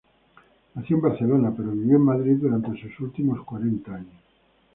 Nació en Barcelona, pero vivió en Madrid durante sus últimos cuarenta años.